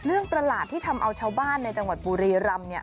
ประหลาดที่ทำเอาชาวบ้านในจังหวัดบุรีรำเนี่ย